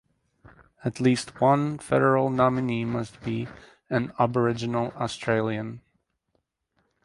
At least one Federal nominee must be an Aboriginal Australian.